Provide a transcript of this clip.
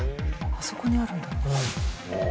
あそこにあるんだ。